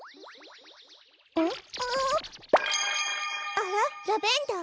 あらラベンダー？